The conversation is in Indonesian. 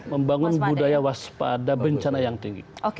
membangun budaya waspada bencana yang tinggi